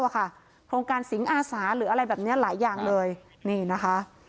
โครงการสิงอาสาหรืออะไรแบบนี้หลายอย่างเลยนี่นะคะ